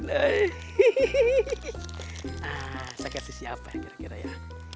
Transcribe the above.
nah saya kasih siapa kira kira ya